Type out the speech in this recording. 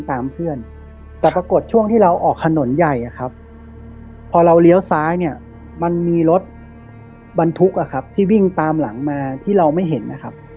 เพื่อนแต่ปรากฏช่วงที่เราออกถนนใหญ่อะครับพอเราเลี้ยวซ้ายเนี่ยมันมีรถบรรทุกอะครับที่วิ่งตามหลังมาที่เราไม่เห็นนะครับ